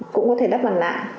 cũng có thể đắp bằng nạ